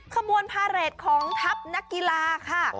ขบวนพาเรทของทัพนักกีฬาค่ะ